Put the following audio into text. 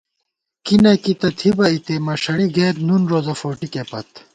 کی نہ کی تہ تھِبہ اِتے مَݭَڑی گئیت نُن روزہ فوٹِکےپت